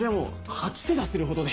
吐き気がするほどで。